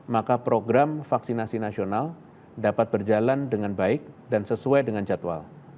maka program vaksinasi nasional dapat berjalan dengan baik dan sesuai dengan jadwal